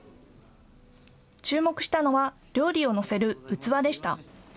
注目したのは料理を載せる器でした。